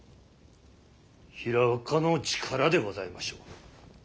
平岡の力でございましょう。